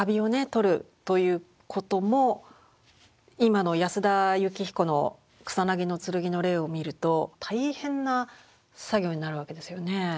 取るということも今の安田靫彦の「草薙の剣」の例を見ると大変な作業になるわけですよねぇ。